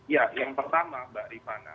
ya yang pertama mbak rifana